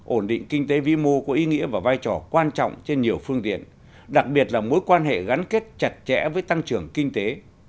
ổn định kinh tế vi mô có ý nghĩa và vai trò quan trọng trên nhiều phương tiện đặc biệt là mối quan hệ gắn kết chặt chẽ với tăng trưởng kinh tế